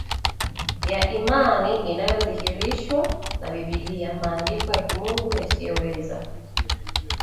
ya imani inayodhihirishwa na Biblia maandiko ya Kimungu yasiyoweza